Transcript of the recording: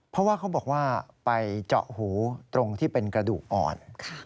เพราะว่าเขาบอกว่าไปเจาะหูตรงที่เป็นกระดูกอ่อน